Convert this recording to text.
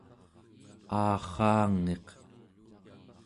aarraangiq